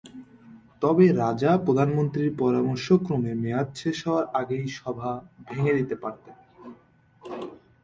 তবে রাজা প্রধানমন্ত্রীর পরামর্শক্রমে মেয়াদ শেষ হওয়ার আগেই সভা ভেঙে দিতে পারতেন।